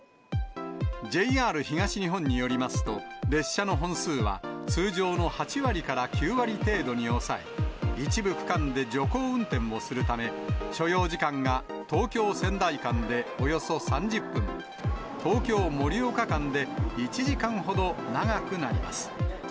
ＪＲ東日本によりますと、列車の本数は通常の８割から９割程度に抑え、一部区間で徐行運転をするため、所要時間が、東京・仙台間でおよそ３０分、東京・盛岡間で１時間ほど長くなります。